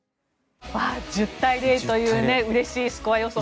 １０対０といううれしいスコア予想。